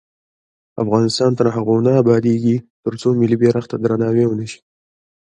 افغانستان تر هغو نه ابادیږي، ترڅو ملي بیرغ ته درناوی ونشي.